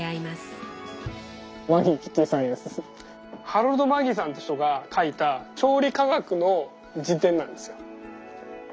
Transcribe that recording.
ハロルド・マギーさんっていう人が書いた調理化学の辞典なんですよ。